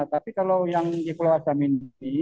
tapi kalau yang di pulau asam ini